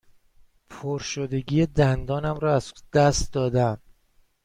پرشدگی دندانم را از دست داده ام.